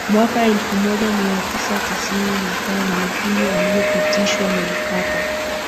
mwaka elfu moja Mia Tisa tisini na tano lakini aliyepitishwa ni Mkapa